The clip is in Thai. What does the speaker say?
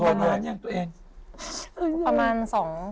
ตัวประมาณแล้วหนึ่งตัวเอง